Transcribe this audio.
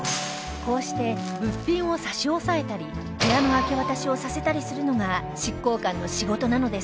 こうして物品を差し押さえたり部屋の明け渡しをさせたりするのが執行官の仕事なのです